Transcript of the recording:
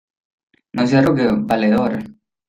¡ no se arrugue, valedor!...